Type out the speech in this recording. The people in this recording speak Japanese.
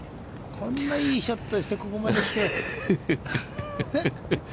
こんないいショットして、ここまで来て。